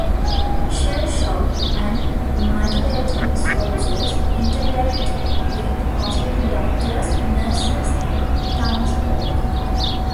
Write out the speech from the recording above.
Shell-shocked and mutilated soldiers interact with hospital doctors, nurses and townsfolk.